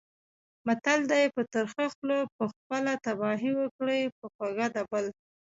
متل دی: په ترخه خوله به خپله تباهي وکړې، په خوږه د بل.